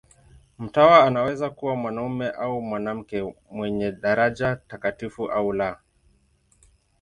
Mtawa anaweza kuwa mwanamume au mwanamke, mwenye daraja takatifu au la.